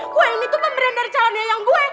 kue ini tuh pemberian dari calonnya yang gue